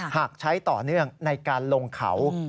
หากใช้ต่อเนื่องในการลงเขา